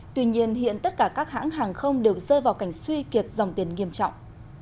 tuy nhiên hiện tất cả các hãng hàng không đều rơi vào cảnh suy kiệt dòng tiền nghiêm trọng